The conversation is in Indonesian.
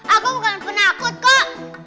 aku bukan penakut kok